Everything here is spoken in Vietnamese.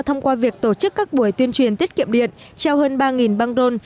thông qua việc tổ chức các buổi tuyên truyền tiết kiệm điện treo hơn ba băng rôn